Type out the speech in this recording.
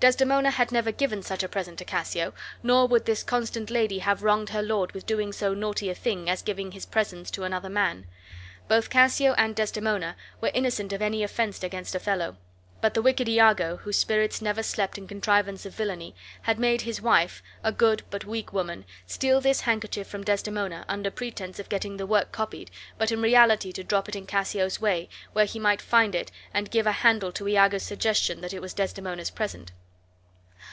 Desdemona had never given such a present to Cassio, nor would this constant lady have wronged her lord with doing so naughty a thing as giving his presents to another man; both Cassio and, Desdemona were innocent of any offense against Othello; but the wicked Iago, whose spirits never slept in contrivance of villainy, had made his wife (a good, but a weak woman) steal this handkerchief from Desdemona, under pretense of getting the work copied, but in reality to drop it in Cassio's way, where he might find it, and give a handle to Iago's suggestion that it was Desdemona's present.